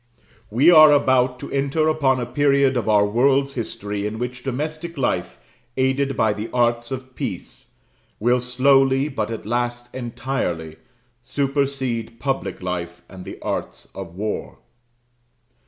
We are about to enter upon a period of our world's history in which domestic life, aided by the arts of peace, will slowly, but at last entirely, supersede public life and the arts of war.